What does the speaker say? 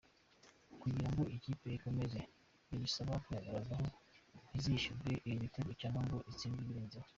Kugira ngo iyi kipe ikomeze biyisaba kwihagararaho ntizishyurwe ibi bitego cyangwa ngo itsindwe ibirenzeho.